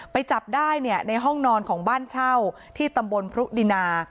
ไปจับได้เนี่ยในห้องนอนของบ้านเช่าที่ตำบลพรุดินา